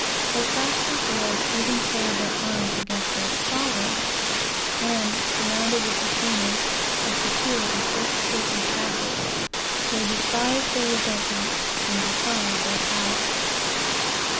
The Saxon earls even carried their arms against their sovereigns; and, surrounded with retainers, or secure in fortresses and castles, they despised their resentment, and defied their power.